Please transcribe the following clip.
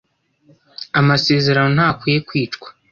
amasezerano ntakwiye kwicwa.